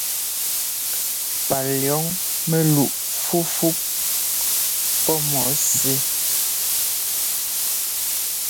Palʉ̈ɔŋ mɛluꞋ fúfú pɔ́ mɔ sɛ́.